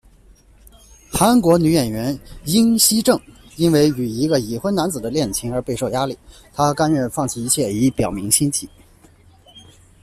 韩国女演员英熙正因为与一个已婚男子的恋情而备受压力，她甘愿放弃一切以表明心迹。